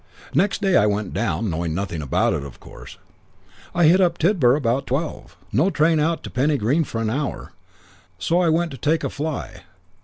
Next day I went down, knowing nothing about it, of course. I hit up Tidborough about twelve. No train out to Penny Green for an hour, so I went to take a fly.